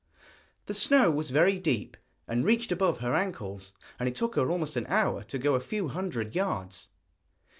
The snow was very deep, and reached above her ankles, and it took her almost an hour to go a few hundred yards.